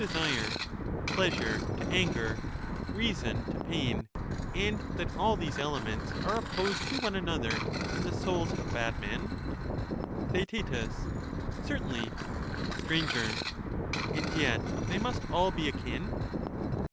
desire, pleasure to anger, reason to pain, and that all these Strangbr, elements are opposed to one another in the souls of bad Theabtetus. men? Theaet. Certainly, and two Str, And yet they must all be akin